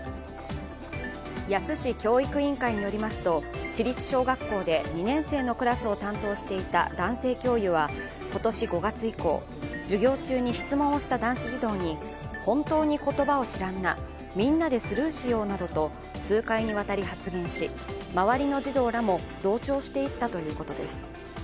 野洲市教育委員会によりますと市立小学校で２年生のクラスを担当していた男性教諭は今年５月以降授業中に質問をした男子児童に、本当に言葉を知らんな、みんなでスルーしようなどと数回にわかり発言し周りの児童らも同調していったということです。